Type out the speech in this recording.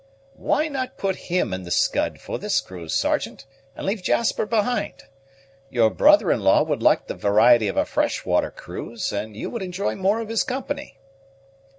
"Why not put him in the Scud for this cruise, Sergeant, and leave Jasper behind? Your brother in law would like the variety of a fresh water cruise, and you would enjoy more of his company."